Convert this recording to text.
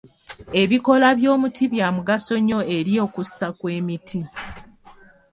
Ebikoola by'omuti bya mugaso nnyo eri okussa kw'emiti.